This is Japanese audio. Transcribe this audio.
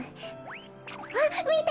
あっみて！